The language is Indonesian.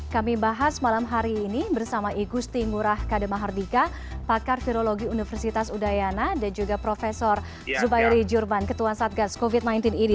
kami bahas malam hari ini bersama igusti ngurah kademahardika pakar virologi universitas udayana dan juga prof zubairi jurban ketua satgas covid sembilan belas ini